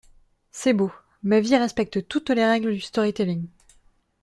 C’est beau : ma vie respecte toutes les règles du storytelling…